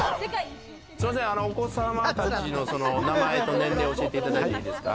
お子様たちの名前と年齢を教えていただいていいですか？